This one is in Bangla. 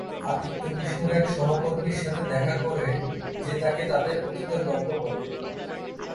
আদিত্য বিষ্ণুর এক সহকর্মীর সাথে দেখা করে যে তাকে তাদের অতীতের গল্প বলে।